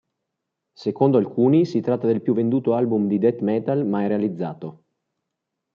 Secondo alcuni si tratta del più venduto album di death metal mai realizzato.